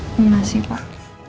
terima kasih pak